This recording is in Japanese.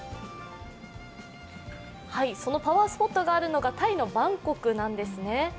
そのパワースポットがあるのがタイのバンコクなんですね。